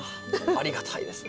ありがたいですね。